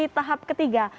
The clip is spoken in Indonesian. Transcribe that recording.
masukkan ke tahap ketiga